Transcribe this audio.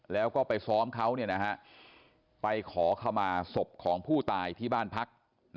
แล้วก็ไปซ้อมเขาไปขอขมาศพของผู้ตายที่บ้านพัก